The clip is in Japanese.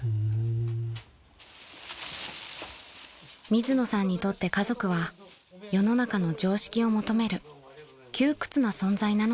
［水野さんにとって家族は世の中の常識を求める窮屈な存在なのです］